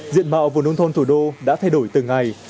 diện mạo vùng nông thôn thủ đô đã thay đổi từng ngày